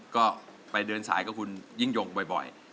ก็ไปเดินสายกับคุณยิ่งยงบ่อย